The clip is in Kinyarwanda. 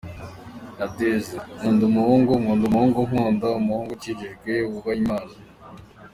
Nadege: nkunda umuhungu… nkunda umuhungu unkunda, umuhungu ukijijwe wubaha Imana….